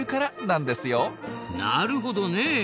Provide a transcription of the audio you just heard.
なるほどね。